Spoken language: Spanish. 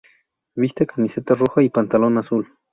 Viste camiseta roja y pantalón azul